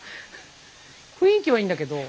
雰囲気はいいんだけど。